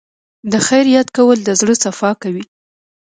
د خیر یاد کول د زړه صفا کوي.